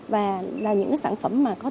và là những sản phẩm có tính chất